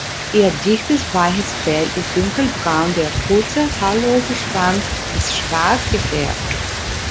Ihr dichtes, weiches Fell ist dunkelbraun, der kurze, haarlose Schwanz ist schwarz gefärbt.